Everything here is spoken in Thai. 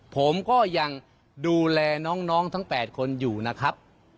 ผมก็ยังดูแลน้องทั้ง๘คนอยู่นะครับ